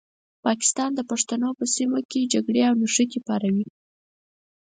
پاکستان د پښتنو په سیمه کې جګړې او نښتې پاروي.